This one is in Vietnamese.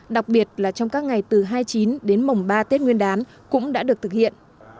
đặc biệt là trong các ngày từ hai mươi chín đến mùng ba tết nguyên đán cũng đã được thực hiện